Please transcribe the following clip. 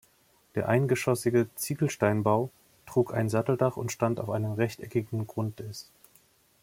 Der eingeschossige Ziegelsteinbau trug ein Satteldach und stand auf einem rechteckigen Grundriss.